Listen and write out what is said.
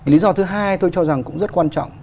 lý do thứ hai tôi cho rằng cũng rất quan trọng